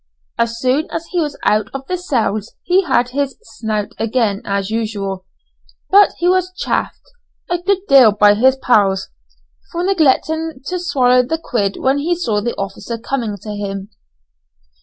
As soon as he was out of the cells he had his "snout" again as usual, but he was "chaffed" a good deal by his "pals" for neglecting to swallow the quid when he saw the officer coming to him.